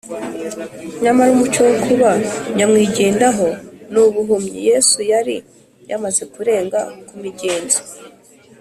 Nyamara umuco wo kuba nyamwigendaho ni ubuhumyi. Yesu yari yamaze kurenga ku migenzo